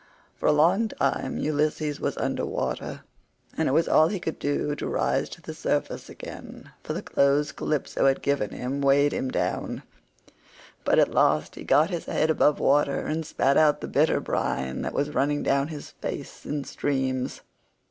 For a long time Ulysses was under water, and it was all he could do to rise to the surface again, for the clothes Calypso had given him weighed him down; but at last he got his head above water and spat out the bitter brine that was running down his face in streams.